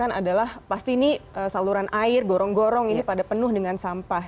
yang adalah pasti ini saluran air gorong gorong ini pada penuh dengan sampah